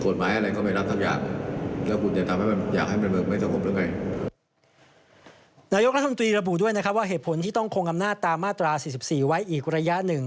นายกรัฐมนตรีระบุด้วยนะครับว่าเหตุผลที่ต้องคงอำนาจตามมาตรา๔๔ไว้อีกระยะหนึ่ง